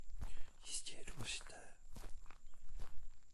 Jistě je důležité.